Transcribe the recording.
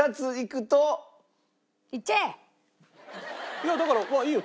いやだからまあいいよ。